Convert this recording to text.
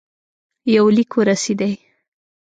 یو لیک ورسېدی.